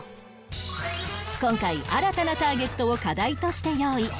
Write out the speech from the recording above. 今回新たなターゲットを課題として用意